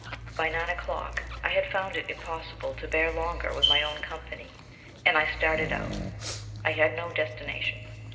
By nine o'clock I found it impossible to bear longer with my own company, and I started out. I had no destination.